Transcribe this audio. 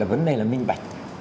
vấn đề là minh bạch